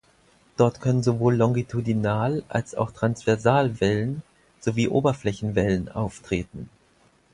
Dort können sowohl Longitudinal- als auch Transversalwellen sowie Oberflächenwellen auftreten.